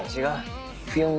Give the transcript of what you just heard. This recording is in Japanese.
違う。